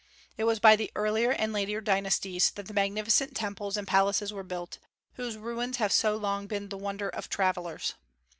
It was by the earlier and later dynasties that the magnificent temples and palaces were built, whose ruins have so long been the wonder of travellers.